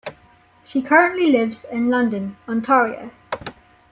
She currently lives in London, Ontario.